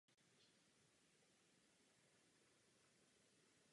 Hovořit o konsolidaci bez příslušných doporučení znamená vyhýbat se problému.